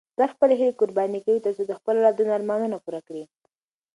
پلار خپلې هیلې قرباني کوي ترڅو د خپلو اولادونو ارمانونه پوره کړي.